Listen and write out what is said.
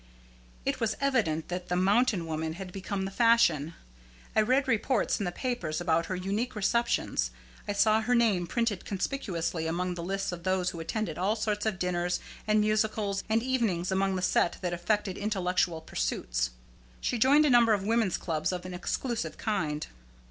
It was evident that the "mountain woman" had become the fashion. I read reports in the papers about her unique receptions. I saw her name printed conspicuously among the list of those who attended all sorts of dinners and musicales and evenings among the set that affected intellectual pursuits. She joined a number of women's clubs of an exclusive kind.